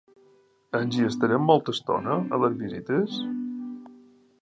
¿Ens hi estarem molta estona, a les visites?